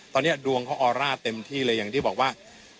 ตอนนี้ดวงเขาออร่าเต็มที่เลยอย่างที่บอกว่า